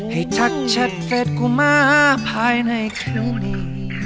ให้ทักแชทเฟสกูมาภายในคืนนี้